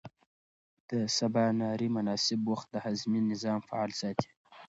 د سباناري مناسب وخت د هاضمې نظام فعال ساتي.